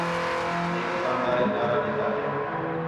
مئے دُکاندارینک نعرہ ݙِتا ہِے